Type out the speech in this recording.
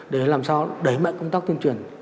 để làm sao đẩy mạnh công tác tuyên truyền